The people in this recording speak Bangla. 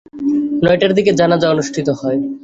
নয়টার দিকে জানাজা অনুষ্ঠিত হয়।